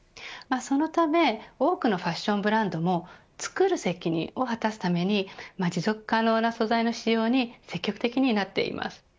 そのため多くのファッションブランドもつくる責任を果たすために持続可能な素材の使用に積極的になっています。